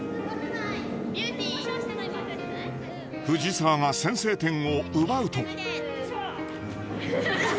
藤澤が先制点を奪うと。